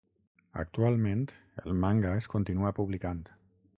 Actualment, el manga es continua publicant.